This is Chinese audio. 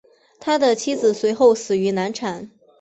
他的妻子随后死于难产。